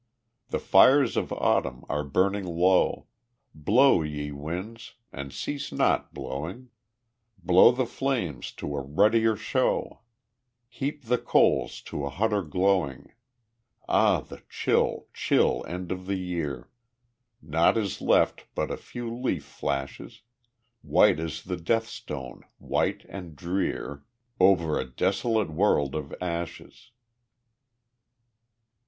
The fires of Autumn are burning low; Blow, ye winds, and cease not blowing! Blow the flames to a ruddier show, Heap the coals to a hotter glowing. Ah, the chill, chill end of the year! Naught is left but a few leaf flashes; White is the death stone, white and drear, Over a desolate world of ashes.